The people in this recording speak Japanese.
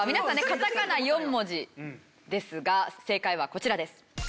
カタカナ４文字ですが正解はこちらです。